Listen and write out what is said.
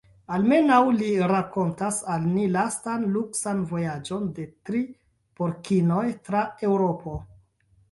Almenaŭ li rakontas al ni lastan, luksan vojaĝon de tri porkinoj tra Eŭropo.